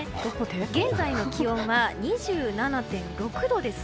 現在の気温は２７．６度です。